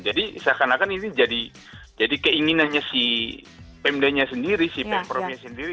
jadi seakan akan ini jadi keinginannya si pmd nya sendiri si pemprovnya sendiri